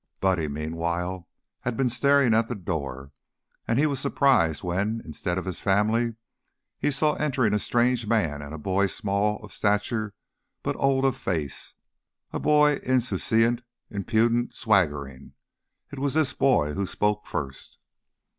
Buddy, meanwhile, had been staring at the door, and he was surprised when, instead of his family, he saw entering a strange man and a boy small of stature but old of face, a boy insouciant, impudent, swaggering. It was this boy who spoke first.